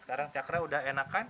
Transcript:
sekarang cakra udah enak kan